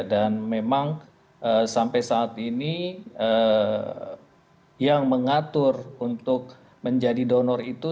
dan memang sampai saat ini yang mengatur untuk menjadi donor itu